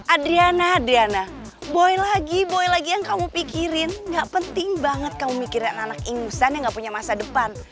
adriana diana boy lagi boy lagi yang kamu pikirin gak penting banget kamu mikirin anak ingusan yang gak punya masa depan